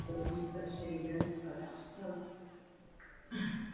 Působil jako šéfredaktor Zemědělského zpravodaje v Brně.